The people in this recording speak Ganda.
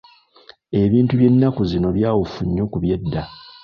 Ebintu by’ennaku zino byawufu nnyo ku by'edda.